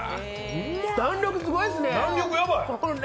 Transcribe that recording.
弾力すごいっすね、これ。